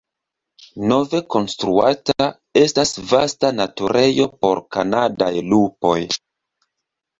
Nove konstruata estas vasta naturejo por kanadaj lupoj.